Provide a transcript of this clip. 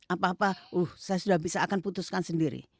apa apa saya sudah bisa akan putuskan sendiri